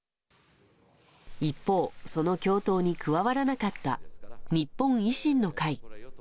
一方、その共闘に加わらなかった日本維新の会。